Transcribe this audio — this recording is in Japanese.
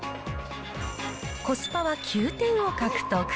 コスパは９点を獲得。